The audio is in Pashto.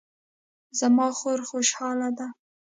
زما خور خوشحاله ده